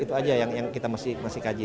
itu aja yang kita masih kaji